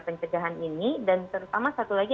pencegahan ini dan terutama satu lagi